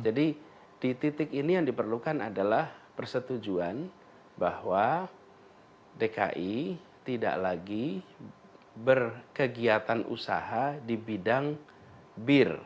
jadi di titik ini yang diperlukan adalah persetujuan bahwa dki tidak lagi berkegiatan usaha di bidang bir